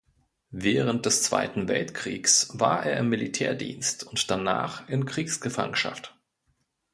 Während des Zweiten Weltkriegs war er im Militärdienst und danach in Kriegsgefangenschaft.